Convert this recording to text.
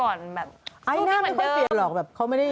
รูปนี้เหมือนเดิมไอหน้าไม่ค่อยเปลี่ยนหรอกแบบเขาไม่ได้